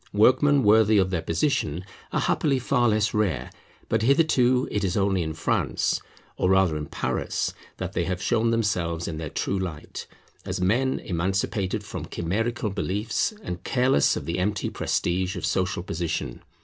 Workmen worthy of their position are happily far less rare; but hitherto it is only in France, or rather in Paris, that they have shown themselves in their true light, as men emancipated from chimerical beliefs, and careless of the empty prestige of social position.